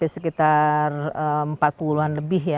sekitar empat puluh an lebih ya